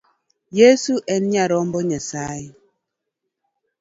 Yeso en nyarombo Nyasaye.